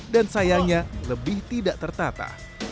dan sayangnya lebih tidak tertata